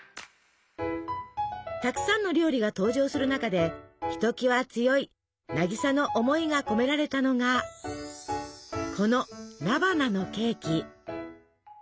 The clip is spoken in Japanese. たくさんの料理が登場する中でひときわ強い渚の思いが込められたのがこの菜花のケーキ。